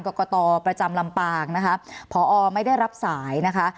กรกตประจำลำปางนะคะพอไม่ได้รับสายนะคะ